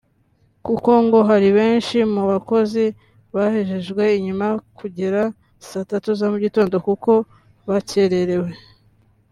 kuko ngo hari benshi mu bakozi bahejejwe inyuma kugera saa Tatu za mugitondo kuko bakererewe